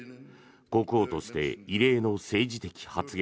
国王として異例の政治的発言。